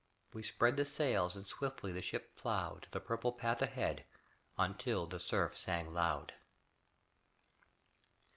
We spread the sails and swiftly the ship plowed The purple path ahead until the surf sang loud.